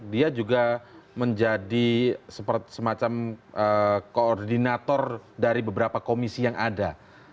dia juga menjadi semacam koordinator dari beberapa komisi yang ada